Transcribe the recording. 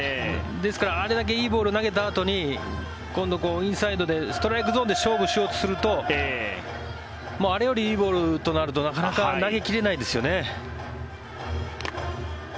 ですから、あれだけいいボールを投げたあとに今度インサイドでストライクゾーンで勝負しようとするとあれよりいいボールとなるとなかなか投げ切れないですよね。